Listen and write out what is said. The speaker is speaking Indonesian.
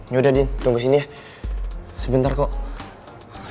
yaudah deh tunggu sini ya sebentar kok